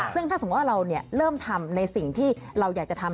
ซึ่งถ้าสมมุติว่าเราเริ่มทำในสิ่งที่เราอยากจะทำ